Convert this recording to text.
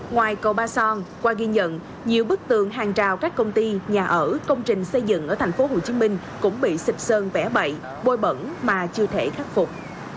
ngoài cầu ba son qua ghi nhận nhiều bức tường hàng trào các công ty nhà ở công trình xây dựng ở tp hcm cũng bị xịt sơn vẽ bậy bôi bẩn mà chưa thể khắc phục